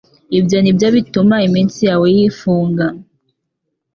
ibyo nibyo bituma imitsi yawe yifunga.